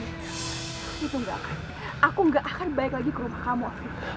itu nggak akan aku nggak akan balik lagi ke rumah kamu afiq